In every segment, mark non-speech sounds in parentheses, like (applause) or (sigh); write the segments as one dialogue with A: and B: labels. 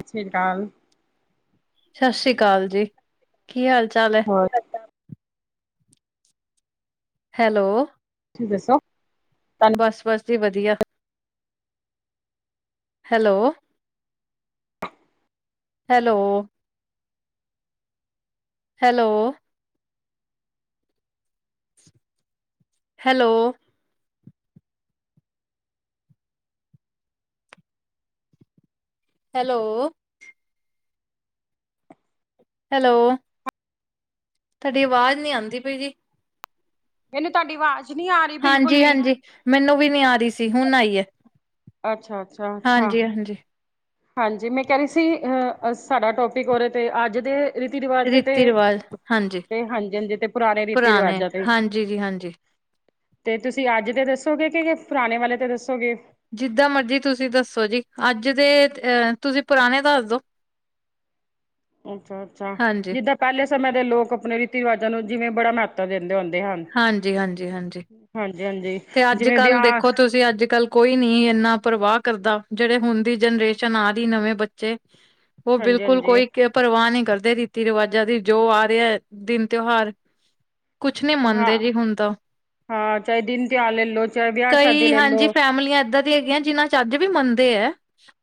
A: ਸਤਿ ਸ਼੍ਰੀ ਅਕਾਲ
B: ਸਾਸ ਸ੍ਰੀ ਅਕਾਲ ਜੀ। ਕੀ ਹਾਲ ਚਾਲ ਹੈ?
A: (unintelligible)
B: ਹੈਲੋ
A: ਠੀ ਦੱਸੋ
B: ਬਸ ਬਸ ਜੀ ਵਧੀਆ hello hello hello hello hello hello ਤੁਹਾਡੀ ਆਵਾਜ਼ ਨੀ ਆਉਂਦੀ ਪਈ ਜੀ
A: ਮੈਨੂੰ ਤੁਹਾਡੀ ਆਵਾਜ਼ ਨਹੀ ਆ ਰਹੀ ਬਿਲਕੁਲ
B: ਹਾਂਜੀ
A: ਵੀ
B: ਹਾਂਜੀ ਮੈਨੂੰ ਵੀ ਨੀ ਆ ਰਹੀ ਸੀ ਹੁਣ ਆਈ
A: ਅੱਛਾ, ਅੱਛਾ, ਅੱਛਾ
B: ਹਾਂਜੀ ਹਾਂਜੀ।
A: ਹਾਂਜੀ ਮੈਂ ਕਹਿ ਰਹੀ ਸੀ ਅ ਸਾਡਾ ਟੋਪਿਕ ਉਹਦੇ ਤੇ ਅੱਜ ਦੇ ਰੀਤੀ ਰਿਵਾਜ਼ ਤੇ ਤੇ
B: ਰੀਤੀ ਰਿਵਾਜ, ਹਾਂਜੀ
A: ਹਾਂਜੀ, ਹਾਂਜੀ ਤੇ ਪੁਰਾਣੇ ਰੀਤੀ ਰਿਵਾਜ਼ਾਂ ਤੇ
B: ਹਾਂਜੀ ਜੀ ਹਾਂਜੀ।
A: ਤੇ ਤੁਸੀਂ ਅੱਜ ਦੇ ਦੱਸੋਗੇ ਕਿ ਪੁਰਾਣੇ ਵਾਲੇ 'ਤੇ ਦੱਸੋਗੇ?
B: ਜਿੱਦਾਂ ਮਰਜ਼ੀ ਤੁਸੀਂ ਦੱਸੋ ਜੀ ਅੱਜ ਦੇ ਅਹ ਤੁਸੀਂ ਪੁਰਾਣੇ ਦੱਸ ਦੋ
A: ਅੱਛਾ ਅੱਛਾ
B: ਹਾਂਜੀ।
A: ਜਿੱਦਾਂ ਪਹਿਲੇ ਸਮੇਂ ਦੇ ਲੋਕ ਆਪਣੇ ਰੀਤੀ ਰਿਵਾਜ਼ਾਂ ਨੂੰ ਜਿਵੇਂ ਬੜਾ ਮਹੱਤਵ ਦਿੰਦੇ ਹੁੰਦੇ ਹਨ
B: ਹਾਂਜੀ ਹਾਂਜੀ ਹਾਂਜੀ
A: ਹਾਂਜੀ ਹਾਂਜੀ
B: ਤੇ ਅੱਜ
A: ਜਿਵੇਂ
B: ਕੱਲ
A: ਵਿਆਹ
B: ਦੇਖੋ ਤੁਸੀਂ ਅੱਜ ਕੱਲ ਕੋਈ ਨੀ ਇੰਨਾ ਪਰਵਾਹ ਕਰਦਾ ਜਿਹੜੇ ਹੁਣ ਦੀ ਜਨਰੇਸ਼ਨ ਆ ਰਹੀ ਨਵੇਂ ਬੱਚੇ ਉਹ
A: ਹਾਂਜੀ,
B: ਬਿਲਕੁਲ
A: ਹਾਂਜੀ
B: ਕੋਈ ਪਰਵਾਹ ਨਹੀਂ ਕਰਦੇ ਰੀਤੀ ਰਿਵਾਜਾਂ ਦੀ ਜੋ ਆ ਰਿਹਾ ਦਿਨ ਤਿਉਹਾਰ ਕੁਛ ਨੀ
A: ਹਾਂ।
B: ਮੰਨਦੇ ਜੀ ਹੁਣ ਤਾਂ
A: ਹਾਂ ਚਾਹੇ ਦਿਨ ਤਿਹਾਰ ਲੈ ਲੋ ਚਾਹੇ ਵਿਆਹ ਸ਼ਾਦੀ
B: ਕਈ
A: ਲੈ ਲੋ।
B: ਹਾਂਜੀ ਫੈਮਿਲੀਆਂ ਏਦਾਂ ਦੀ ਹੈਗੀਆਂ ਜਿਨਾਂ ਚ ਅੱਜ ਵੀ ਮੰਨਦੇ ਆ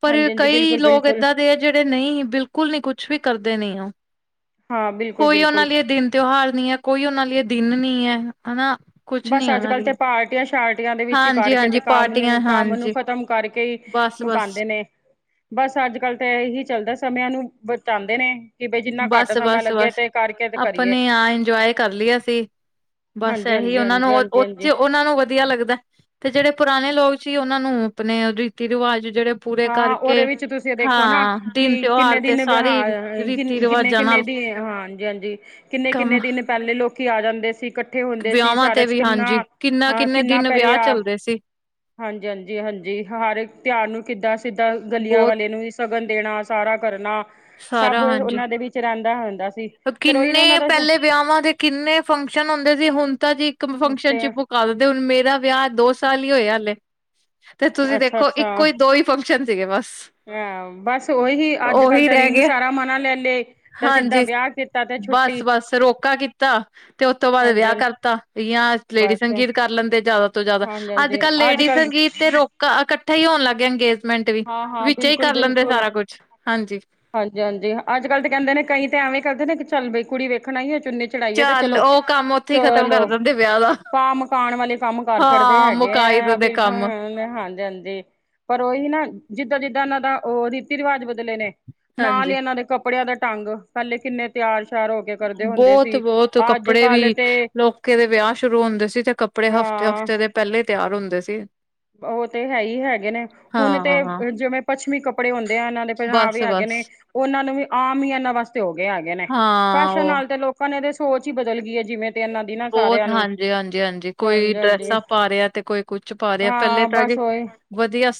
B: ਪਰ
A: ਹਾਂਜੀ, ਹਾਂਜੀ
B: ਕਈ
A: ਬਿਲਕੁਲ,
B: ਲੋਕ
A: ਬਿਲਕੁਲ
B: ਇੱਦਾਂ ਦੇ ਆ ਜਿਹੜੇ ਨਹੀਂ ਬਿਲਕੁਲ ਨਹੀਂ ਕੁਛ ਵੀ ਕਰਦੇ ਨੇ ਉਹ
A: ਹਾਂ ਬਿਲਕੁਲ
B: ਕੋਈ ਉਹਨਾਂ
A: ਬਿਲਕੁਲ
B: ਲਈ ਦਿਨ ਤਿਉਹਾਰ ਨਹੀ ਹੈ ਕੋਈ ਉਹਨਾਂ ਲਈ ਦਿਨ ਨੀ ਹੈ ਹਨਾ ਕੁਛ
A: ਬਸ
B: ਨੀ
A: ਅੱਜ
B: ਉਹਨਾਂ
A: ਕੱਲ ਤੇ
B: ਲਈ
A: ਪਾਰਟੀਆਂ ਸ਼ਾਰਟੀਆਂ ਦੇ ਵਿੱਚ
B: ਹਾਂਜੀ
A: ਕਰਕੇ ਤੇ
B: ਹਾਂਜੀ
A: ਕੰਮ
B: ਪਾਰਟੀਆਂ
A: ਨੂੰ ਕੰਮ ਨੂੰ
B: ਹਾਂਜੀ
A: ਖ਼ਤਮ ਕਰਕੇ ਹੀ
B: ਬਸ ਬਸ
A: ਮੁਕਾਉਂਦੇ ਨੇ ਬਸ ਅੱਜ ਕੱਲ ਤਾਂ ਇਹੀ ਚੱਲਦਾ ਸਮਿਆਂ ਨੂੰ ਬਚਾਉਂਦੇ ਨੇ ਕਿ ਬਈ ਜਿੰਨਾ ਘੱਟ
B: ਬਸ
A: ਸਮਾਂ
B: ਬਸ
A: ਲੱਗੇ
B: ਬਸ
A: ਤੇ ਕਰਕੇ ਤੇ ਕਰੀਏ
B: ਆਪਣੇ ਆ ਇੰਜੋਏ ਕਰ ਲਿਆ ਸੀ ਬਸ
A: ਹਾਂਜੀ
B: ਇਹੀ
A: ਹਾਂਜੀ
B: ਉਹਨਾਂ
A: ਹਾਂਜੀ
B: ਨੂੰ
A: ਹਾਂਜੀ
B: ਉ
A: ਹਾਂਜੀ
B: ਚ ਉਹ ਨੂੰ ਵਧੀਆ ਲੱਗਦਾ ਤੇ ਜਿਹੜੇ ਪੁਰਾਣੇ ਲੋਕ ਸੀ ਉਹਨਾਂ ਨੂੰ ਆਪਣੇ ਰੀਤੀ ਰਿਵਾਜ਼ ਜਿਹੜੇ ਪੂਰੇ
A: ਹਾਂ
B: ਕਰਕੇ
A: ਉਹਦੇ ਵਿੱਚ ਤੁਸੀਂ ਦੇਖੋ ਨਾ
B: ਹਾਂ
A: ਕਿ
B: ਦਿਨ ਤਿਉਹਾਰ
A: ਕਿੰਨੇ
B: ਤੇ
A: ਦਿਨ
B: ਸਾਰੇ
A: ਵਿਹਾਰ ਕਿਨ
B: ਰੀਤੀ
A: ਕਿੰਨੇ
B: ਰਿਵਾਜਾਂ
A: ਕਿੰਨੇ
B: ਨਾਲ
A: ਦਿਨ ਹਾਂ ਹਾਂਜੀ ਹਾਂਜੀ ਕਿੰਨੇ
B: ਕੰਮ
A: ਕਿੰਨੇ ਦਿਨ ਪਹਿਲੇ ਲੋਕੀ ਆ ਜਾਂਦੇ ਸੀ ਇਕੱਠੇ ਹੁੰਦੇ ਸੀ
B: ਵਿਆਹਾਂ
A: ਸਾਰਾ
B: ਤੇ
A: ਚ
B: ਵੀ
A: ਕਿੰਨਾ
B: ਹਾਂਜੀ ਕਿੰਨਾ
A: ਹਾਂ
B: ਕਿੰਨੇ
A: ਕਿੰਨਾ
B: ਦਿਨ ਵਿਆਹ
A: ਪੈਰਿਆ
B: ਚੱਲਦੇ ਸੀ
A: ਹਾਂਜੀ ਹਾਂਜੀ ਹਾਂਜੀ ਹਰ ਇੱਕ ਤਿਉਹਾਰ ਨੂੰ ਕਿੱਦਾਂ ਸਿੱਦਾਂ ਗਲੀਆਂ
B: ਬਹੁਤ
A: ਵਾਲੇ ਨੂੰ ਸ਼ਗਨ ਦੇਣਾ ਸਾਰਾ ਕਰਨਾ
B: ਸਾਰਾ
A: ਸਭ
B: ਹਾਂਜੀ
A: ਉਹਨਾਂ ਦੇ ਵਿੱਚ ਰਹਿੰਦਾ ਹੁੰਦਾ ਸੀ ਫੇਰ ਉਹੀ
B: ਕਿੰਨੇ
A: ਨਾ ਉਹਨਾਂ ਦਾ
B: ਪਹਿਲੇ ਵਿਆਹਵਾਂ ਦੇ ਕਿੰਨੇ ਫੰਕਸ਼ਨ ਹੁੰਦੇ ਸੀ ਹੁਣ ਤਾਂ ਜੀ ਇੱਕ ਫੰਕਸ਼ਨ ਚ
A: ਤੇ
B: ਕਰ ਦੇ ਹੁਣ ਮੇਰਾ ਵਿਆਹ ਦੋ ਸਾਲ ਹੀ ਹੋਇਆ ਹਾਲੇ ਤੇ ਤੁਸੀਂ
A: ਅੱਛਾ
B: ਦੇਖੋ
A: ਅੱਛਾ
B: ਇੱਕੋ ਹੀ ਦੋ ਹੀ ਫੰਕਸ਼ਨ ਸੀਗੇ ਬਸ
A: ਹਾਂ ਬਸ ਉਹੀ ਅੱਜ ਕੱਲ
B: ਉਹੀ
A: ਤਾਂ
B: ਰਹਿ
A: ਰਿੰਗ
B: ਗਿਆ।
A: ਸਾਰਾ ਮਨਾ ਲੈ ਲਏ ਤਾਂ ਸਿੱਧਾ ਵਿਆਹ ਕੀਤਾ ਤੇ ਛੁੱਟੀ
B: ਬਸ ਬਸ ਰੋਕਾ ਕੀਤਾ ਤੇ ਉਸਤ ਤੋਂ ਬਾਅਦ
A: ਹਾਂਜੀ
B: ਵਿਆਹ
A: ਹਾਂਜੀ
B: ਕਰਤਾਆ ਯਾ ਲੇਡੀ
A: ਬਸ
B: ਸੰਗੀਤ ਕਰ ਲੈਂਦੇ ਜ਼ਿਆਦਾ ਤੋਂ ਜ਼ਿਆਦਾ
A: ਹਾਂਜੀ
B: ਅੱਜ
A: ਹਾਂਜੀ
B: ਕੱਲ੍ਹ ਲੇਡੀ
A: ਕੱਲ
B: ਸੰਗੀਤ ਤੇ ਰੋਕ ਇਕੱਠਾ ਹੀ ਹੋਣ ਲੱਗ ਗਿਆ ਅੰਗੇਜਮੈਂਟ ਵੀ
A: ਹਾਂ ਹਾਂ
B: ਵਿੱਚ ਹੀ
A: ਬਿਲਕੁਲ
B: ਕਰ ਲੈਂਦੇ
A: ਬਿਲਕੁਲ
B: ਸਾਰਾ ਕੁਝ ਹਾਂਜੀ
A: ਹਾਂਜੀ ਹਾਂਜੀ ਅੱਜ ਕੱਲ ਤੇ ਕਹਿੰਦੇ ਨੇ ਕਈ ਤੇ ਐਵੇਂ ਕਰਦੇ ਨੇ ਚੱਲ ਬਈ ਕੁੜੀ ਵੇਖਣਾ ਹੀ ਹੈ ਚੁੰਨੀ ਚੜਾਈਏ ਤੇ
B: ਚੱਲ
A: ਚਲੋ
B: ਉਹ ਕੰਮ ਉੱਥੇ ਹੀ ਖ਼ਤਮ ਕਰ
A: ਚਲੋ
B: ਦਿੰਦੇ ਵਿਆਹ ਦਾ।
A: ਭਾ ਮਕਾਨ ਵਾਲੇ ਕੰਮ ਕਰ ਛੱਡਦੇ
B: ਹਾਂ
A: ਹੈਗੇ
B: ਮੁਕਾਈ
A: ਆ
B: ਦਿੰਦੇ
A: ਵੀ
B: ਕੰਮ
A: ਮੈਂ ਹਾਂ ਹਾਂਜੀ ਹਾਂਜੀ ਪਰ ਉਹੀ ਨਾ ਜਿੱਦਾਂ ਜਿੱਦਾਂ ਇਹਨਾਂ ਦਾ ਉਹ ਰੀਤੀ ਰਿਵਾਜ ਬਦਲੇ ਨੇ ਨਾਲ ਹੀ
B: ਹਾਂਜੀ।
A: ਇਹਨਾਂ ਦੇ ਕੱ ਕੱਪੜਿਆਂ ਦਾ (unintelligible) ਪਹਿਲੇ ਕਿੰਨੇ ਤਿਆਰ ਸ਼ਿਆਰ ਹੋ ਕੇ ਕਰਦੇ ਹੁੰਦੇ
B: ਬਹੁਤ
A: ਸੀ
B: ਬਹੁਤ
A: ਅੱਜ
B: ਕੱਪੜੇ
A: ਕੱਲ
B: ਵੀ
A: ਤੇ
B: ਲੋਕ ਦੇ ਵਿਆਹ ਸ਼ੁਰੂ ਹੁੰਦੇ ਸੀ ਤੇ ਕੱਪ ਕੱੜੇ ਹਫ਼ਤੇ
A: ਹਾਂ
B: ਹਫ਼ਤੇ ਦੇ ਪਹਿਲੇ ਹੀ ਤਿਆਰ ਹੁੰਦੇ ਸੀ
A: ਉਹ ਤੇ ਹੈ ਹੀ ਹੈਗੇ ਨੇ ਹੁਣ ਤੇ
B: ਹਾਂ।
A: ਜਿਵੇਂ ਪੱਛਮੀ ਕੱਪੜੇ ਹੁੰਦੇ ਆ ਇਹਨਾਂ ਦੇ ਪੰਜਾਬ ਵੀ ਹੈਗੇ
B: ਬਸ-ਬਸ
A: ਨੇ ਉਹਨਾਂ ਨੂੰ ਵੀ ਆਮ ਹੀ ਇਹਨਾਂ ਵਾਸਤੇ ਹੋ ਗਏ ਹੈਗੇ ਨੇ
B: ਹਾਂ
A: ਫੈਸ਼ਨ
B: ਉਹ
A: ਨਾਲ ਤੇ ਲੋਕ ਭਣੇ ਦੇ ਸੋਚ ਹੀ ਬਦਲ ਗਈ ਹੈ ਜਿਵੇਂ ਤੇ ਇਹਨਾਂ ਦੀ ਨਾ
B: ਬਹੁਤ
A: ਸਾਰਿਆਂ ਨੂੰ
B: ਹਾਂਜੀ ਹਾਂਜੀ ਹਾਂਜੀ ਕੋਈ ਡਰੈਸਪ ਪਾ ਰਿਹਾ ਤੇ ਕੋਈ ਕੁਛ ਪਾ ਰ ਆ ਪਹਿਲੇ
A: ਹਾਂ
B: ਤਾਂ
A: ਬਸ
B: ਜੀ
A: ਉਹੀ
B: ਵਧੀਆ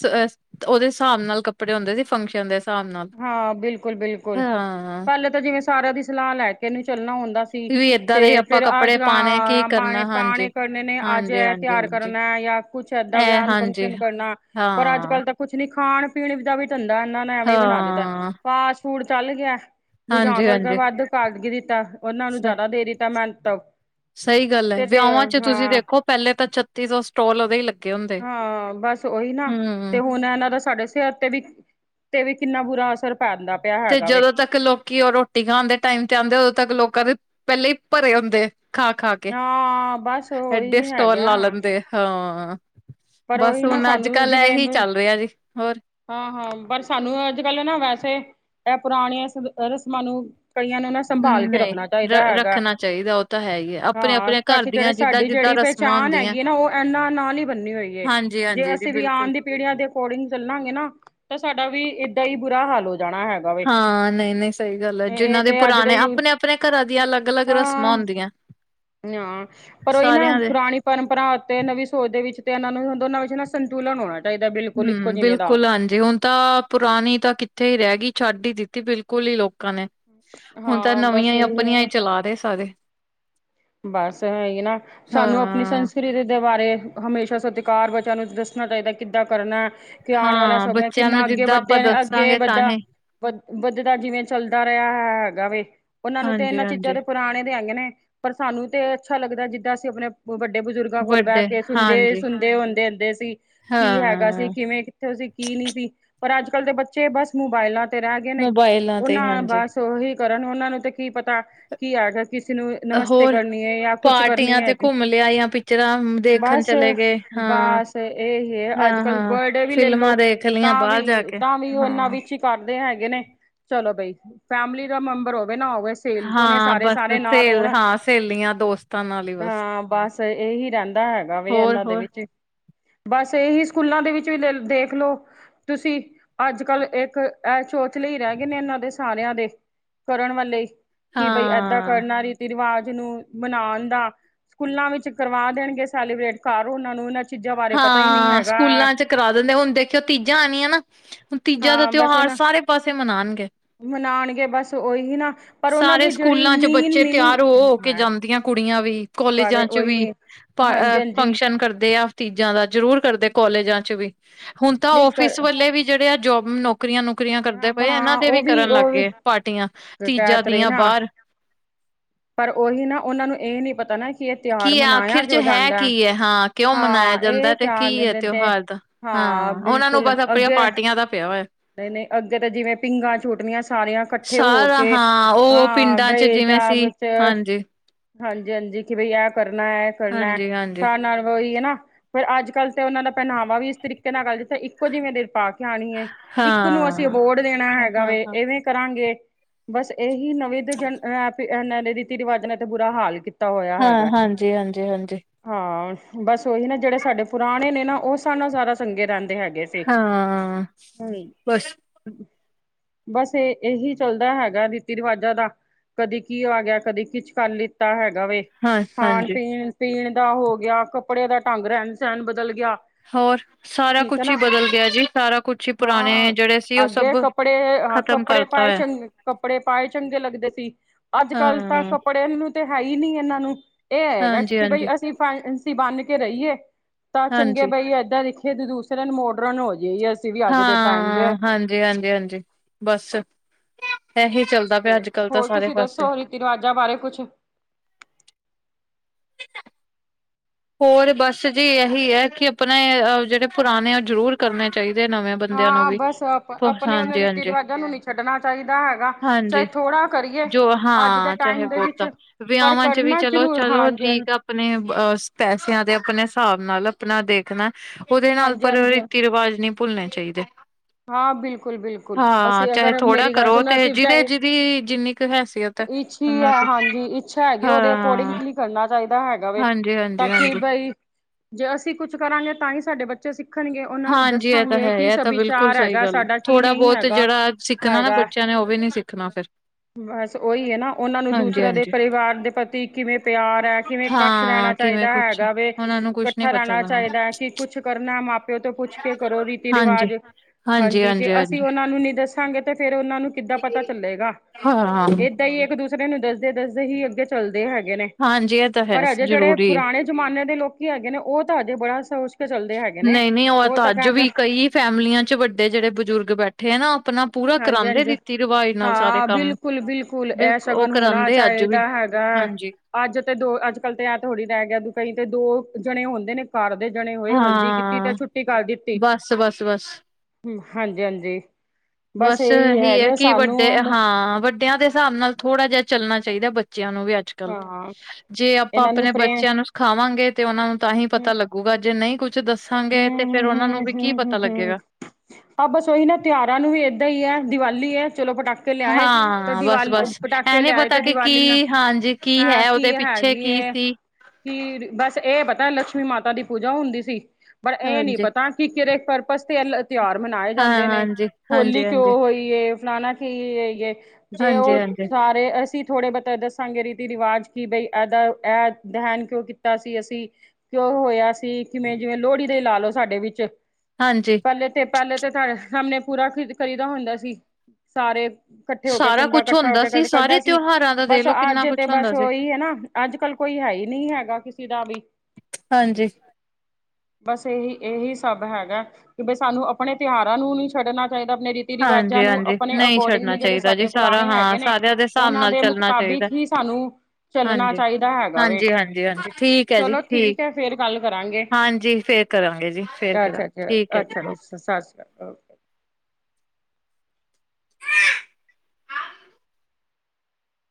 B: ਉਹਦੇ ਹਿਸਾਬ ਨਾਲ ਕੱਪੜੇ ਹੁੰਦੇ ਸੀ ਫੰਕਸ਼ਨ ਦੇ ਹਿਸਾਬ ਨਾਲ
A: ਹਾਂ ਬਿਲਕੁਲ ਬਿਲਕੁਲ
B: ਹਾਂ
A: ਪਹਿਲੇ ਤਾਂ ਜਿਵੇਂ ਸਾਰਿਆਂ ਦੀ ਸਲਾਹ ਲੈ ਕੇ ਇਹਨੂੰ ਚੱਲਣਾ ਹੁੰਦਾ
B: ਵੀ ਏਦਾਂ ਦੇ
A: ਤੇ
B: ਆਪਾਂ
A: ਫਿਰ
B: ਕੱਪੜੇ
A: ਅੱਜ
B: ਪਾਣੇ ਕੀ
A: ਪਾ
B: ਕਰਨਾ ਹਾਂਜੀ।
A: ਪਾਣੀ ਕਰਨੇ ਨੇ ਅੱਜ ਇਹ ਤਿਆਰ
B: ਹਾਂਜੀ-ਹਾਂਜੀ-ਹਾਂਜੀ
A: ਕਰਨਾ ਜਾਂ ਕੁੱਛ ਏਦਾਂ
B: ਇਹ
A: ਵਿਆਹਨ
B: ਹਾਂਜੀ
A: ਫੰਕਸ਼ਨ ਕਰਨਾ ਪਰ ਅੱਜ
B: ਹਾਂ।
A: ਕੱਲ੍ਹ ਤਾਂ ਕੁਛ ਨੀ ਖਾਣ ਪੀਣ ਦਾ ਵੀ ਧੰਦਾ ਇਹਨਾਂ ਨੇ ਐਵੇਂ ਹੀ ਬਣਾ ਦਿੱਤਾ
B: ਹਾਂ
A: (inaudible)
B: ਹਾਂਜੀ-ਹਾਂਜੀ
A: ਉਹਨਾਂ
B: ਸ
A: ਨੂੰ ਜ਼ਿਆਦਾ ਦੇ ਦਿੱਤਾ ਮੈਨ ਤ
B: ਸਹੀ ਗੱਲ ਹੈ ਵਿਆਹਾਂ ਚ ਤੁਸੀਂ ਦੇਖੋ ਪਹਿਲੇ ਤਾਂ ਛੱਤੀ ਸੌ ਸਟੋਲ ਹੁੰਦੇ
A: ਹਾਂ ਬਸ ਉਹੀ ਨਾ
B: ਹੂੰ
A: ਤੇ ਹੁਣ ਇਹਨਾਂ ਦਾ ਸਾਡੇ ਸਿਹਤ ਤੇ ਵੀ ਤੇ ਵੀ ਕਿੰਨਾ ਬੁਰਾ ਅਸਰ (inaudible)
B: ਤੇ ਜਦੋਂ ਤੱਕ ਲੋਕੀ ਉਹ ਰੋਟੀ ਖਾਣ ਦੇ ਟਾਈਮ ਤੇ ਆਉਂਦੇ ਉਦੋਂ ਤੱਕ ਲੋਕਾਂ ਦੇ ਪਹਿਲੇ ਹੀ ਭਰੇ ਹੁੰਦੇ ਖਾ ਖਾ ਕੇ
A: ਹਾਂ ਬਸ
B: ਡੇ
A: ਉਹੀ
B: ਸਟੋਰ ਲਾ
A: ਹੈਗਾ।
B: ਲੈਂਦੇ ਹਾਂ
A: ਪਰ
B: ਬਸ
A: ਉਹੀ ਨਾ
B: ਹੁਣ ਅੱਜ ਕੱਲ੍ਹ ਇਹੀ ਚੱਲ ਰਿਹਾ ਜੀ ਹੋਰ
A: ਹਾਂ ਹਾਂ ਪਰ ਸਾਨੂੰ ਅੱਜ ਕੱਲ ਨਾ ਵੈਸੇ ਇਹ ਪੁਰਾਣੀਆਂ ਰਸਮਾਂ ਨੂੰ ਕਲੀਆਂ ਨੂੰ ਨਾ ਸੰਭਾਲ ਕੇ
B: ਨਹੀਂ
A: ਰੱਖਣਾ
B: ਰ
A: ਚਾਹੀਦਾ ਹੈਗਾ
B: ਰੱਖਣਾ ਚਾਹੀਦਾ ਉਹ ਤਾਂ ਹੈ ਹੀ ਹੈ
A: ਹਾਂ
B: ਆਪਣੇ-ਆਪਣੇ
A: ਤਾਂ
B: ਘਰ
A: ਕਿ ਜਿਹੜੇ
B: ਦੀਆਂ
A: ਸਾਡੀ
B: ਜਿੱਦਾਂ-ਜਿੱਦਾਂ
A: ਜਿਹੜੀ
B: ਰਸਮਾਂ
A: ਪਹਿਚਾਨ
B: ਹੁੰਦੀਆਂ
A: ਹੈਗੀ ਹੈ ਨਾ ਉਹ ਇਹਨਾਂ ਨਾਲ ਹੀ ਬੰਨੀ ਹੋਈ ਹੈ ਜੇ
B: ਹਾਂਜੀ-ਹਾਂਜੀ ਜੀ
A: ਅਸੀਂ ਵੀ
B: ਬਿਲਕੁਲ
A: ਆਨ ਦੀ ਪੀੜੀਆਂ ਦੇ ਅਕੋਰਡਿੰਗ ਚੱਲਾਂਗੇ ਨਾ ਤਾਂ ਸਾਡਾ ਵੀ ਏਦਾਂ ਹੀ ਬੁਰਾ ਹਾਲ ਹੋ ਜਾਣਾ ਹੈਗਾ ਵੇ
B: ਹਾਂ ਨਹੀਂ ਨਹੀਂ ਸਹੀ ਗੱਲ ਹੈ
A: ਇਹ
B: ਜਿਨਾਂ ਦੇ
A: ਤੇ ਅੱਜ
B: ਪੁਰਾਣੇ
A: ਯੂ
B: ਆਪਣੇ ਆਪਣੇ ਘਰਾਂ ਦੀਆਂ ਅਲੱਗ ਅਲੱਗ
A: ਹਾਂ
B: ਰਸਮਾਂ ਹੁੰਦੀਆਂ (inaudible)
A: ਹਾਂ ਪਰ ਉਹਹੀ ਨਾ
B: ਸਾਰਿਆਂ ਦੇ
A: ਪੁਰਾ ਣੀ ਪਰੰਪਰਾ ਅਤੇ ਨਵੀਂ ਸੋਚ ਦੇ ਵਿੱਚ ਤੇ ਇਹਨਾਂ ਨੂੰ ਨ ਨਾਲ ਸੰਤੁਲਨ ਹੋਣਾ ਚਾਹੀਦਾ ਬਿਲਕੁਲ ਇੱਕੋ
B: ਹਮ
A: ਜਿਵੇਂ ਦਾ
B: ਬਿਲਕੁਲ ਹਾਂਜੀ ਹੁਣ ਤਾਂ ਪੁਰਾਣੀ ਤਾਂ ਕਿੱਥੇ ਹੀ ਰਹਿ ਗਈ ਛੱਡ ਹੀ ਦਿੱਤੀ ਬਿਲਕੁਲ ਹੀ ਲੋਕਾਂ ਨੇ ਹੁਣ ਤਾਂ
A: ਹਾਂ
B: ਨਵੀਆਂ
A: ਬਸ
B: ਹੀ
A: ਇਹੀ ਹੈ
B: ਆਪਣੀਆਂ ਹੀ ਚਲਾ ਰਹੇ ਸਾਰੇ
A: ਬਸ ਹੈ ਹੀ ਨਾ ਸਾਨੂੰ ਆਪਣੀ
B: ਹਾਂ
A: ਸੰਸਕ੍ਰਿਤੀ ਦੇ ਬਾਰੇ ਹਮੇਸ਼ਾ ਸਤਿਕਾਰ ਬੱਚਾ ਨੂੰ ਦੱਸਣਾ ਚਾਹੀਦਾ ਕਿੱਦਾਂ ਕਰਨਾ ਕੇ ਆਉਣ ਵਾਲਾ
B: ਹਾਂ
A: ਸਮ
B: ਬੱਚਿਆਂ
A: ਕਿੰਨਾ
B: ਨੂੰ
A: ਅੱਗੇ
B: ਜਿੱਦਾਂ ਆਪਾਂ
A: ਵੱਧੇ ਨੇ ਅੱਗੇ
B: ਦੱਸਾਂਗੇ ਤਾਂ
A: ਵੱਧਾ
B: ਹੀ
A: ਵ ਵੱਧਦਾ ਜਿਵੇਂ ਚੱਲਦਾ ਰਿਹਾ ਹੈ ਹੈਗਾ ਵ ਉਹਨਾਂ ਨੂੰ ਤੇ
B: ਹਾਂਜੀ
A: ਇਹਨਾਂ ਚੀਜ਼ਾਂ
B: ਹਾਂਜੀ
A: ਦੇ ਪੁਰਾਣੇ ਦੇ ਹੈਗੇ ਨੇ ਪਰ ਸਾਨੂੰ ਤੇ ਅੱਛਾ ਲੱਗਦਾ ਜਿੱਦਾਂ ਅਸੀਂ ਆਪਣੇ ਵੱਡੇ ਬਜ਼ੁਰਗਾਂ ਕੋਲ ਬਹਿ
B: ਵੱਡੇ
A: ਕੇ ਸੁਣਦੇ
B: ਹਾਂਜੀ
A: ਸੁਣਦੇ ਹੁੰਦੇ ਹੁੰਦੇ ਸੀ ਕੀ ਹੈਗਾ ਸੀ
B: ਹਾਂ
A: ਕਿਵੇਂ ਸੀ ਕੀ ਨਹੀਂ ਸੀ ਪਰ ਅੱਜ ਕੱਲ੍ਹ ਦੇ ਬੱਚੇ ਬਸ ਮੋਬਾਇਲਾਂ ਤੇ ਰਹਿ ਗਏ ਨੇ
B: ਮੋਬਾਇਲਾਂ ਤੇ ਹੀ
A: ਉਹਨਾਂ
B: ਹਾਂਜੀ
A: ਬਸ ਉਹੀ ਕਰਨ ਉਹਨਾਂ ਨੂੰ ਤੇ ਕੀ ਪਤਾ ਕੀ ਆਗਾ ਕਿਸੇ ਨੂੰ ਨਮਸ
B: ਹੋਰ
A: ਕਰਨੀ ਹੈ ਜਾਂ ਕੁਛ ਕਰਨੀ
B: ਪਾਰਟੀਆਂ ਤੇ
A: ਹੈਗੀ
B: ਘੁੰਮ ਲਿਆ ਜਾਂ ਪਿਕਚਰਾਂ ਦੇਖਣ
A: ਬਸ
B: ਚਲੇ ਗਏ ਹਾਂ
A: ਬਸ ਤੇ ਇਹਹੀ
B: ਹਾਂ
A: ਅੱਜ ਕੱਲ
B: ਹਾਂ
A: ਬਰਡੇ ਵੀ ਲੈਲੋ
B: ਫਿਲਮਾਂ ਦੇਖ ਲਈਆਂ
A: ਤਾਂ
B: ਬਾਹਰ ਜਾ
A: ਵੀ
B: ਕੇ
A: ਤਾਂ ਵੀ ਉਹ ਇਨਾ
B: ਹਾਂ
A: ਵੀ ਕਰਦੇ ਹੈਗੇ ਨੇ ਚਲੋ ਬਾਈ ਫੈਮਲੀ ਦਾ ਮੈਂਬਰ ਹੋਵੇ ਨਾ ਹੋਵੇ ਸੇਲ ਉਹਨੇ
B: ਹਾਂ
A: ਸਾਰੇ
B: ਬਸ
A: ਸਾਰੇ ਨਾਲ ਹੋਣ
B: ਸਹੇਲ ਹਾਂ ਸਹੇਲੀਆਂ ਦੋਸਤ
A: ਹਾਂ ਬਸ ਇਹੀ ਰਹਿੰਦਾ ਹੈਗਾ ਵ
B: ਹੋਰ
A: ਇਹਨਾਂ ਦੇ
B: ਹੋਰ
A: ਵਿੱਚ ਬਸ ਇਹੀ ਸਕੂਲਾਂ ਦੇ ਵਿੱਚ ਵੀ ਲ ਦੇਖ ਲਓ ਤੁਸੀਂ ਅੱਜ ਕੱਲ੍ਹ ਇੱਕ ਇਹ ਸੋਚ ਲਈ ਰਹਿ ਗਏ ਨੇ ਇਹਨਾਂ ਦੇ ਸਾਰਿਆਂ ਦੇ ਕਰਨ ਵਾਲੇ ਕਿ ਬਈ ਏਦਾਂ
B: ਹਾਂ
A: ਕਰਨਾ ਰੀਤੀ ਰਿਵਾਜ ਨੂੰ ਮਨਾਉਣ ਦਾ ਸਕੂਲਾਂ ਵਿੱਚ ਕਰਵਾ ਦੇਣਗੇ ਸੈਲੀਬ੍ਰੇਟ ਕਰ ਉਹਨਾਂ ਨੂੰ ਇਹਨਾਂ ਚੀਜ਼ਾਂ ਬਾਰੇ ਪਤਾ ਹੀ ਨਹੀਂ
B: ਹਾਂ
A: ਹੈਗਾ
B: ਸਕੂਲਾਂ ਚ ਕਰਾ ਦਿੰਦੇ ਹੁਣ ਦੇਖਿਓ ਤੀਜਾ ਆਣੀਆਂ ਨਾ ਹੁਣ ਤੀਜਾ ਦਾ
A: ਹਾਂ ਬਸ
B: ਤਿਉਹਾਰ
A: ਉਹਨਾਂ
B: ਸਾਰੇ ਪਾਸੇ ਮਨਾਉਣਗੇ
A: ਮਨਾਉਣਗੇ ਬਸ ਉਹੀ ਨਾ ਪਰ ਉਹਨਾਂ
B: ਸਾਰੇ
A: ਦੀ ਜਿਹੜੀ
B: ਸਕੂਲਾਂ ਚ
A: ਮੇਨ
B: ਬੱਚੇ
A: ਮੀਨਿੰਗ
B: ਤਿਆਰ ਹੋ ਹੋ ਕੇ ਜਾਂਦੀਆਂ ਕੁੜੀਆਂ ਵੀ
A: ਪਰ
B: ਕੋਲੇਜਾਂ ਚ ਵੀ
A: ਉਹੀ ਹਾਂਜੀ ਹਾਂਜੀ
B: ਫੰਕਸ਼ਨ ਕਰਦੇ ਆ ਤੀਜਾਂ ਦਾ ਜ਼ਰੂਰ ਕਰਦੇ ਕੋਾਲਜਾਂ ਚ ਵੀ ਹੁਣ
A: ਨਹੀਂ
B: ਤਾਂ ਫਿਸ
A: ਕਰ
B: ਵਾਲੇ ਵੀ ਜਿਹੜੇ ਆ ਜੋਬ ਨੌਕ ਨੌਕਰੀਆਂ ਨੁਕਰੀਆਂ ਕਰਦੇ
A: ਹਾਂ
B: ਪਏ ਇਹਨਾਂ
A: ਹਾਂ
B: ਦੇ ਵੀ
A: ਉਹ
B: ਕਰਨ ਲੱਗ
A: ਉਹ ਵੀ
B: ਗਏ ਪਾਰਟੀਆਂ ਤੀਜਾ
A: ਸ਼ਿਕਾਇਤ ਰਹੀ
B: ਦੀਆਂ
A: ਨਾ
B: ਬਾਹਰ
A: ਪਰ ਉਹੀ ਨਾ ਉਹਨਾਂ ਨੂੰ ਇਹ ਨ ਪਤਾ ਨਾ ਕੀ ਇਹ ਤਿਉਹਾਰ ਮਨਾਇਆ
B: ਆਖਿਰ ਚ
A: ਕਿ
B: ਹੈ
A: ਜਾਂਦਾ
B: ਕੀ ਹੈ ਹਾਂ ਕਿਉਂ ਮਨਾਇਆ
A: ਹਾਂ
B: ਜਾਂਦਾ
A: ਇਹ
B: ਤੇ ਕੀ ਹੈ
A: ਤਿਉਹਾਰ ਤੇ
B: ਤਿਉਹਾਰ ਦਾ
A: ਹਾਂ
B: ਉਹਨਾਂ ਨੂੰ
A: ਬਿਲਕੁਲ
B: ਬਸ ਆਪਣੀਆਂ
A: ਅੱਗੇ
B: ਪਾਰਟੀਆਂ ਦਾ ਪਿਆ ਹੋਇਆ।
A: ਨਹੀਂ ਨਹੀਂ ਅੱਗੇ ਤਾਂ ਜਿਵੇਂ ਪਿੰਗਾਂ ਛੂੱਟਣੀਆਂ ਸਾਰੀਆਂ ਇਕੱਠੇ ਹੋ
B: ਸਾਰਾ
A: ਕੇ
B: ਹਾਂ ਉਹ
A: ਹਾਂ
B: ਪਿੰਡਾਂ ਚ
A: ਬਈ
B: ਜਿਵੇਂ
A: ਤਾਂ
B: ਸੀ
A: ਬਥ
B: ਹਾਂਜੀ
A: ਹਾਂਜੀ ਹਾਂਜੀ ਕਿ ਬਈ ਇਹ ਕਰਨਾ ਇਹ ਕਰਨਾ ਹੈ
B: ਹਾਂਜੀ ਹਾਂਜੀ
A: ਸਾਡੇ ਨਾਲ ਵਹੀ ਹੈ ਨਾ ਫਿਰ ਅੱਜ ਕੱਲ੍ਹ ਤਾਂ ਉਹਨਾਂ ਦਾ ਪਹਿਨਾਵਾ ਵੀ ਇਸ ਤਰੀਕੇ ਨਾਲ ਕਰ ਦਿੱਤਾ ਇੱਕੋ ਜਿਵੇਂ ਦੇਰਪਕ ਕਣੀਏ ਇੱਕ ਨੂੰ ਅਸੀਂ
B: ਹਾਂ
A: ਅਬੋਰਡ ਦੇਣਾ
B: ਹਾਂ
A: ਹੈਗਾ ਵ
B: ਹਾਂ ਹਾਂ
A: ਇਵੇਂ ਕਰਾਂਗੇ ਬਸ ਇਹੀ ਨਵੇਂ ਦੇ ਜਨ ਅ ਇਹਨਾਂ ਦੇ ਰੀਤੀ ਰਿਵਾਜਨਾਂ ਤੇ ਬੁਰਾ ਹਾਲ ਕੀਤਾ ਤਾਂ ਹੋਇਆ
B: ਹਾਂ
A: ਹੈਗਾ
B: ਹਾਂਜੀ ਹਾਂਜੀ ਹਾਂਜੀ
A: ਹਾਂ ਬਸ ਉਹੀ ਨਾ ਜਿਹੜੇ ਸਾਡੇ ਪੁਰਾਣੇ ਨੇ ਨਾ ਉਹ ਸਾਨਾ ਸਾਰਾ ਚੰਗੇ ਰਹਿੰਦੇ ਹੈਗੇ ਸੀ
B: ਹਾਂ
A: ਹਮ
B: ਬਸ
A: ਬਸ ਇਹ ਇਹੀ ਚੱਲਦਾ ਹੈਗਾ ਰੀਤੀ ਰਿਵਾਜਾਂ ਦਾ ਕਦੇ ਕੀ ਆ ਗਿਆ ਕਦੇ ਕਿਛ ਕਰ ਲਿੱਤਾ ਹੈਗਾ ਵ
B: ਹਾਂ
A: ਖਾਣ
B: ਹਾਂਜੀ
A: ਪੀਣ ਪੀਣ ਦਾ ਹੋ ਗਿਆ ਕੱਪੜੇ ਦਾ ਢੰਗ ਰਹਿਣ ਸਹਿਣ ਬਦਲ ਗਿਆ
B: ਹੋਰ ਸਾਰਾ
A: ਠੀਕ ਹੈ
B: ਕੁਛ ਹੀ
A: ਨਾ
B: ਬਦਲ ਗਿਆ ਜੀ ਸਾਰਾ ਕੁਛ ਹੀ ਪੁਰਾਣੇ
A: ਹਾਂ
B: ਜਿਹੜੇ ਸੀ ਉਹ
A: ਅੱਗੇ
B: ਸਭ
A: ਕੱਪੜੇ ਹ
B: ਖ਼ਤਮ
A: ਕੱਪੜੇ
B: ਕਰਤਾ
A: ਪਾਏ
B: ਹੋਇਆ
A: ਚੰਗੇ ਕੱਪੜੇ ਪਾਏ ਚੰਗੇ ਲੱਗਦੇ ਸੀ ਅੱਜ ਕੱਲ ਤਾਂ
B: ਹਾਂ
A: ਕੱਪੜੇ ਕੱਪੜੇ ਨੂੰ ਤੇ ਹੈ ਹੀ ਨੀ ਇਹਨਾਂ ਨੂੰ ਇਹ ਹੈਗਾ
B: ਹਾਂਜੀ
A: ਕਿ ਬਈ
B: ਹਾਂਜੀ
A: ਅਸੀਂ ਫਸੀ ਬੰਨ ਕੇ ਰਹੀਏ ਤਾਂ ਚੰਗੇ
B: ਹਾਂਜੀ
A: ਬਈ ਏਦਾਂ ਇੇ ਦੂਸਰੇ ਨੂੰ ਮੋਡਰਨ ਹੋ ਜਾਏ
B: ਹਾਂ ਹਾਂਜੀ ਹਾਂਜੀ ਹਾਂਜੀ ਬਸ ਇਹੀ ਚੱਲਦਾ ਦਾ ਪਿਆ
A: ਤੇ
B: ਅੱਜ ਕੱਲ੍ਹ ਤਾਂ
A: ਹੋਰ
B: ਸਾਰੇ
A: ਤੁਸੀਂ
B: ਪਾਸੇ
A: ਦੱਸੋ ਰੀਤੀ ਰਿਵਾਜਾਂ ਬਾਰੇ ਕੁਛ
B: ਹੋਰ ਬਸ ਜੀ ਇਹੀ ਹੈ ਕਿ ਆਪਣੇ ਜਿਹੜੇ ਪੁਰਾਣੇ ਆ ਉਹ ਜ਼ਰੂਰ ਕਰਨੇ ਚਾਹੀਦੇ ਆ ਨਵੇਂ ਬੰਦਿਆਂ ਨੂੰ
A: ਹਾਂ
B: ਵੀ
A: ਬਸ ਆਪ ਆਪਣੇ ਆਪਣੇ
B: ਹਾਂਜੀ
A: ਰੀਤੀ
B: ਹਾਂਜੀ
A: ਰਿਵਾਜਾਂ ਨੂੰ ਨਹੀਂੀ ਛੱਡਣਾ ਚਾਹੀਦਾ ਹੈਗਾ ਚ
B: ਹਾਂਜੀ ਜੋ ਹਾਂ ਚਾਹੇ
A: ਦੇ ਵਿੱਚ
B: ਬਹੁਤਾ
A: ਪਰ
B: ਵਿਆਵਾਂ ਚ ਵੀ
A: ਕਰਨਾ
B: ਚਲੋ
A: ਜ਼ਰੂਰ
B: ਚਲੋ
A: ਹਾਂਜੀ ਹਾਂਜੀ
B: ਠੀਕ ਆ ਆਪਣੇ ਅ ਪੈਸਿਆਂ ਦੇ ਆਪਣੇ ਹਿਸਾਬ ਨਾਲ ਆਪਣਾ ਦੇਖਣਾ ਉਹਦੇ ਨਾਲ
A: ਹਾਂਜੀ
B: ਪਰ
A: ਹਾਂਜੀ
B: ਰੀਤੀ ਰਿਵਾਜ਼ ਨਹੀਂ ਭੁੱਲਣੇ ਚਾਹੀਦੇ
A: ਹਾਂ ਬਿਲਕੁਲ ਬਿਲਕੁਲ
B: ਹਾਂ
A: ਅਸੀਂ
B: ਚਾਹੇ
A: ਅਗਰ
B: ਥੋੜਾ
A: ਮੇਰੀ ਗੱਲ
B: ਕਰੋ
A: ਸੁਹੂੰ
B: ਤੇ
A: ਅਸੀਂ ਬ
B: ਜਿਹਦੇ
A: ਚਾਏ
B: ਜਿਹਦੀ ਜਿੰਨੀ ਕੁ ਹੈਸੀਅਤ ਹੈ
A: ਇੱਛ ਹੀ
B: ਉਹਨਾਂ
A: ਹੈ
B: ਦੀ
A: ਹਾਂਜੀ ਇੱਛਾ ਹੈਗੀ ਉਹਦੇ
B: ਹਾਂ
A: ਅਕੋਰਡਿੰਗਲੀ ਕਰਨਾ ਚਾਹੀਦਾ ਹੈਗਾ ਵ
B: ਹਾਂਜੀ
A: ਤਾਂ
B: ਹਾਂਜੀ
A: ਕਿ
B: ਹਾਂਜੀ
A: ਬਈ ਜੇ ਅਸੀਂ ਕੁਛ ਕਰਾਂਗੇ ਤਾਂ ਹੀ ਸਾਡੇ ਬੱਚੇ ਬੱਚ ਸਿੱਖਣਗੇ ਉਹਨਾਂ ਨੂੰ
B: ਹਾਂਜੀ ਇਹ ਤਾਂ
A: ਦੱਸਾਂਗੇ
B: ਹੈ
A: ਕਿ
B: ਇਹ ਤਾਂ
A: ਸਭੀ
B: ਬਿਲਕੁਲ ਸਹੀ ਗੱਲ ਥੋੜਾ ਬਹੁਤ ਜਿਹੜਾ ਸਿੱਖਣਾ ਨਾ
A: ਹੈਗਾ
B: ਬੱਚਿਆਂ ਨੇ ਉਹ ਵੀ ਨੀ ਸਿੱਖਣਾ ਫਿਰ
A: ਬਸ ਉਹੀ ਹੈ ਨਾ ਉਹਨਾਂ ਨੂੰ
B: ਹਾਂਜੀ
A: ਦੂਸਰਿਆਂ ਦੇ
B: ਹਾਂਜੀ
A: ਪਰਿਵਾਰ ਦੇ ਪ੍ਰਤੀ ਕਿਵੇਂ ਪਿਆਰ ਹੈ ਕਿਵੇਂ ਇਕੱਠ ਦੇੈਣਾ
B: ਹਾਂ ਕਿਵੇਂ
A: ਚਾਹੀਦਾ
B: ਕੁਛ
A: ਹੈਗਾ ਵ
B: ਉਹਨਾਂ ਨੂੰ ਕੁਛ ਨੀ
A: ਇਕੱਠਾ
B: ਪਤਾ
A: ਰਹਿਣਾ
B: ਲੱਗਣਾ
A: ਚਾਹੀਦਾ ਹੈ ਕਿ ਕੁਛ ਕਰਨਾ ਮਾਂ ਪਿਓ ਤੋਂ ਪੁੱਛ ਕੇ ਕਰੋ ਰੀਤੀ
B: ਹਾਂਜੀ
A: ਰਿਵਾਜ਼ ਹਾਂਜੀ ਜੇ ਅਸੀਂ ਉਹਨਾਂ ਨੂੰ ਨਹੀਂੀ ਦੱਸਾਂਗੇ ਤਾਂ ਫੇਿਰ ਉਹਨਾਂ ਨੂੰ ਕਿੱਦਾਂ ਪਤਾ ਚੱਲੇਗਾ
B: ਹਾਂ,
A: ਇਹ ਤਾਂ ਹੀ ਇੱਕ ਦੂਸਰੇ ਨੂੰ ਦੱਸਦੇ ਦੱਸਦੇ ਹੀ ਅੱਗੇ ਚੱਲਦੇ ਹੈਗੇ ਨੇ
B: ਹਾਂਜੀ ਇਹ ਤਾਂ ਹੈ
A: ਪਰ ਹਜੇ ਜਿਹੜੇ
B: ਜ਼ਰੂਰੀ ਹੈ
A: ਪੁਰਾਣੇ ਜ਼ਮਾਨੇ ਦੇ ਲੋਕੀ ਹੈਗੇ ਨੇ ਉਹ ਤਾਂ ਹਜੇ ਬੜਾ ਸੋਚ ਕੇ ਚੱਲਦੇ ਹੈਗੇ ਨੇ
B: ਨਹੀਂ, ਨਹੀਂ
A: ਉਹ ਤਾਂ
B: ਅੱਜ
A: ਕਹਣਦਾ
B: ਵੀ ਕਈ ਫੈਮਲੀਆਂ ਚ ਵੱਡੇ ਜਿੜੇ ਬਜ਼ੁਰਗ ਬੈਠੇ ਉੱਠੇ ਨਾ ਆਪਣਾ ਪੂਰਾ
A: ਹਾਂਜੀ
B: ਕਰਾਉਂਦੇ
A: ਹਾਂਜੀ
B: ਰੀਤੀ ਰਿਵਾਜ ਨਾਲ ਸਾਰੇ
A: ਹਾਂ
B: ਕੰਮ
A: ਬਿਲਕੁਲ ਬਿਲਕੁਲ
B: ਬਿਲੁ
A: ਇਹ
B: ਉਹ
A: ਸ਼ਗਨ ਹੋਣਾ
B: ਕਰਾਉਂਦੇ ਅੱਜ
A: ਚਾਹੀਦਾ
B: ਵੀ
A: ਹੈਗਾ
B: ਹਾਂਜੀ
A: ਅੱਜ ਤੇ ਦੋ ਅੱਜ ਕੱਲ ਤੇ ਐਤਥ ਹੋੜੀ ਰਹਿ ਗਿਆ ਕਈ ਤੇ ਦੋ ਜਣੇ ਹੁੰਦੇ ਨੇ ਘ ਦੇ ਜਣੇ ਹੋਏ ਹਲਦੀ ਕੀਤੀ ਤੇ
B: ਹਾਂ
A: ਛੁੱਟੀ ਕਰ ਦਿੱਤੀ।
B: ਬਸ, ਬਸ, ਬਸ
A: ਹਾਂਜੀ, ਹਾਂਜੀ
B: ਬਸ ਇਹੀ ਹੈ ਕਿ ਵੱਡੇ ਹਾਂ ਵੱਡਿਆਂ ਦੇ ਹਿਸਾਬ ਨਾਲ ਥੋੜਾ ਜਿਹਾ ਚੱਲਣਾ ਚਾਹੀਦਾ ਬੱਚਿਆਂ ਨੂੰ ਵੀ ਅੱਜ ਅੱਜ ਕੱਲ
A: ਹਾਂ
B: ਜੇ ਆਪਾਂ
A: ਇਹਨਾਂ ਨੂੰ
B: ਆਪਣੇ
A: ਪ੍ਰੇਮ
B: ਬੱਚਿਆਂ ਨੂੰ ਸਿਖਾਵਾਂਗੇ ਤੇ ਉਹਨਾਂ ਨੂੰ ਤਾਂ ਹੀ
A: ਹਮ
B: ਪਤਾ ਲੱਗ ਗੂਗਾ ਜੇ ਨਹੀਂ ਕੁੱਝ ਦੱਸਾਂਗੇ ਤੇ
A: ਹਮ
B: ਫੇਰ ਉਹਨਾਂ ਨੂੰ
A: ਹਮ
B: ਵੀ ਕੀ
A: ਹਮ
B: ਪਤਾ
A: ਹਮ ਹਮ
B: ਲੱਗੇਗਾ।
A: ਹਾਂ ਬਸ ਉਹੀ ਨਾ ਤਿਉਹਾਰਾਂ ਨੂੰ ਵੀ ਏਦਾਂ ਹੀ ਹੈ ਦੀਵਾਲੀ ਹੈ ਚਲੋ ਪਟਾਕੇ ਕੇ ਲਿਆਏ ਤੇ
B: ਹਾਂ
A: ਦੀਵਾਲੀ
B: ਬਸ-ਬਸ ਐ
A: ਪਟਾਕੇ
B: ਨੀ
A: ਲਿਆਏ
B: ਪਤਾ
A: ਤੇ
B: ਕਿ
A: ਦੀਵਾਲੀ ਮਨਾ
B: ਕੀ ਹਾਂਜੀ ਕੀ
A: ਹਾਂ
B: ਹੈ
A: ਕੀ
B: ਉਹਦੇ ਪਿੱਛੇ
A: ਹੈਗੀ
B: ਕੀ
A: ਏ
B: ਸੀ
A: ਕੀ ਬਸ ਇਹ ਪਤਾ ਲਕਸ਼ਮੀ ਮਾਤਾ ਦੀ ਪੂਜਾ ਹੁੰਦੀ ਸੀ, ਪਰ ਇਹ ਨੀ
B: ਹਾਂਜੀ
A: ਪਤਾ ਕਿ ਕਿਹੜੇ ਪਰਪਜ਼ ਤੇ ਤਿਉਹਾਰ ਮਨਾਏ
B: ਹਾਂ
A: ਜਾਂਦੇ ਨੇ,
B: ਹਾਂਜੀ,
A: ਹੋਲੀ
B: ਹਾਂਜੀ-ਹਾਂਜੀ,
A: ਕਿਉਂ ਹੋਈ। ਕੇ ਫਲਾਨ ਕੀਏ ਜੇ ਉਹ
B: ਹਾਂਜੀ-ਹਾਂਜੀ,
A: ਸਾਰੇ ਅਸੀਂ। ਥੋੜ੍ਹੇ ਬਹੁਤਾ ਦੱਸਾਂਗੇ ਰੀਤੀ ਰਿਵਾਜ ਕਿ ਬਈ ਇਹਦਾ ਇਹ ਦਹਿਣ ਕਿਉਂ ਕੀਤਾ ਸੀ ਅਸੀਂ। ਕਿਉ ਹੋਇਆ ਸੀ ਕਿਵੇਂ ਜਿਵੇਂ ਲੋਹੜੀ ਦਾ ਲਾ ਲਓ ਸਾਡੇ ਵਿੱਚ
B: ਹਾਂਜੀ
A: ਪਹਿਲੇ ਤੇ ਪਹਿਲੇ ਤੇ ਤੁਡੇ ਸਾਹਮਣੇ ਪੂਰਾ ਕਰੀਦਾ ਹੁੰਦਾ ਸੀ ਸਾਰੇ ਇਕੱਠੇ ਹੋ ਕੇ
B: ਸਾਰਾ
A: ਖੁੰਨਬਾ
B: ਕੁਛ
A: ਇਕੱਠਾ ਹੋ
B: ਹੁੰਦਾ
A: ਕੇ
B: ਸੀ
A: ਕ ਕਹਦਾ
B: ਸਾਰੇ
A: ਸੀ
B: ਤਿਉਹਾਰਾਂ ਦਾ
A: ਬਸ
B: ਦੇਖਲੋ ਕਿੰਨਾ
A: ਅੱਜ ਤੇ
B: ਕੁਛ
A: ਬਸ
B: ਹੁੰਦਾ ਸੀ
A: ਉਹੀ ਹੈ ਨਾ ਅੱਜ ਕੱਲ ਕੋਈ ਹੈ ਹੀ ਨਹੀਂ ਹੈਗਾ ਕਿਸੇ ਦਾ ਵੀ
B: ਹਾਂਜੀ
A: ਬਸ ਇਹੀ ਇਹੀ ਸਭ ਹੈਗਾ। ਕਿ ਬਸ ਸਾਨੂੰ ਆਪਣੇ ਤਿਉਹਾਰਾਂ ਨੂੰ ਨਹੀਂ ਛੱਡਣਾ ਚਾਹੀਦਾ ਆਪਣੇ ਰੀਤੀ ਰਿਵਾਜਾਂ ਨੂੰ
B: ਹਾਂਜੀ-ਹਾਂਜੀ
A: ਆਪਣੇ
B: ਨਈ ਛੱਡਣਾ
A: ਅਕੋਰਡਿੰਗਲੀ ਜਿਹੜੇ
B: ਚਾਈਦਾ ਜੀ
A: ਸਾਡੇ
B: ਸਾਰਾ
A: ਪੁਰਾਣੇ
B: ਹਾਂ
A: ਹੈਗੇ ਨੇ
B: ਸਾਰਿਆਂ ਦੇ ਹਿਸਾਬ
A: ਉਹਨਾਂ
B: ਨਾਲ
A: ਦੇ
B: ਚੱਲਣਾ ਚਾਈਦਾ
A: ਮੁਤਾਬਿਕ ਹੀ ਸਾਨੂੰ ਚੱਲਣਾ
B: ਹਾਂਜੀ।
A: ਚਾਹੀਦਾ ਹੈਗਾ ਵੇ,
B: ਹਾਂਜੀ-ਹਾਂਜੀ, ਹਾਂਜੀ ਠੀਕ ਐ ਜੀ
A: ਚਲੋ ਠੀਕ ਹੈ ਫੇਰ ਗੱਲ ਕਰਾਂਗੇ।
B: ਹਾਂਜੀ ਫੇਰ ਕਰਾਂਗੇ ਜੀ ਫੇਰ ਕਰਾਂਗੇ ਠੀਕ ਹੈ ਜੀ।
A: ਪ੍ਰਸ਼ਾਦ ਛਕੋ।